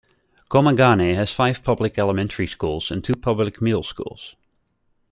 Komagane has five public elementary schools and two public middle schools.